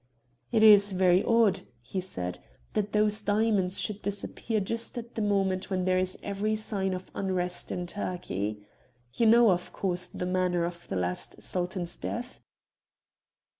"It is very odd," he said, "that those diamonds should disappear just at the moment when there is every sign of unrest in Turkey. You know, of course, the manner of the last Sultan's death?"